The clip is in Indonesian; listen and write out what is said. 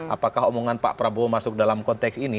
apakah omongan pak prabowo masuk dalam konteks ini